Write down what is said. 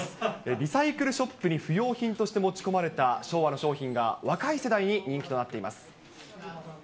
リサイクルショップに不用品として持ち込まれた昭和の商品が、若い世代に人気となっています。